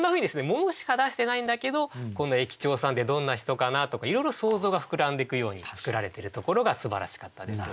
物しか出してないんだけどこの駅長さんってどんな人かなとかいろいろ想像が膨らんでくように作られてるところがすばらしかったです。